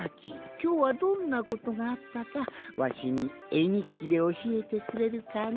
きょうはどんなことがあったかわしにえにっきでおしえてくれるかの？